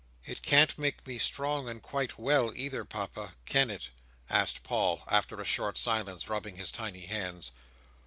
"It can't make me strong and quite well, either, Papa; can it?" asked Paul, after a short silence; rubbing his tiny hands.